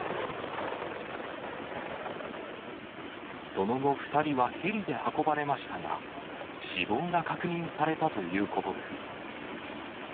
その後、２人はヘリで運ばれましたが、死亡が確認されたということです。